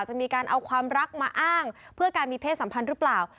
จะมีการเอาความรักมาอ้างเพื่อการมีเพศสัมพันธ์หรือเปล่า